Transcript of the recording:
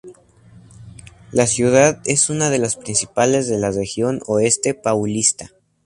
La ciudad es una de las principales de la región oeste paulista.